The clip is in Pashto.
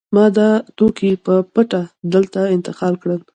ما دا توکي په پټه دلته انتقال کړل